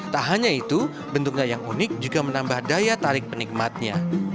tak hanya itu bentuknya yang unik juga menambah daya tarik penikmatnya